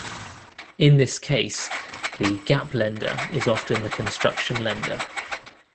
In this case, the gap lender is often the construction lender.